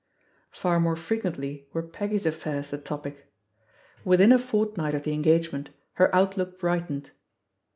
Far more frequently were Peggy's affairs the topic. Within a fort night of the engagement her outlook brightened.